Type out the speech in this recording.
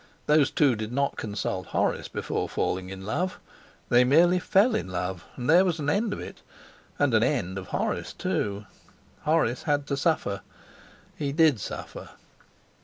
Those two did not consult Horace before falling in love. They merely fell in love, and there was an end of it and an end of Horace too! Horace had to suffer. He did suffer.